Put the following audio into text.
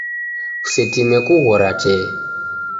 Kusetime kughora tee.